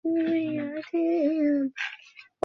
তিনি তার জীবনে মোট আট টি শিক্ষা প্রতিষ্ঠান গড়ে তোলেন।